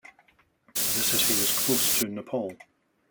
The city is close to Nepal.